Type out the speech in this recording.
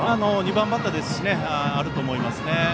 ２番バッターですしあると思いますね。